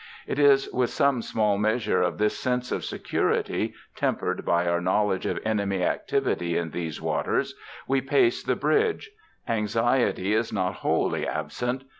It is with some small measure of this sense of security tempered by our knowledge of enemy activity in these waters we pace the bridge. Anxiety is not wholly absent.